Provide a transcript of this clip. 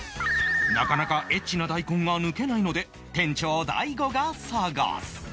なかなかエッチな大根が抜けないので店長大悟が探す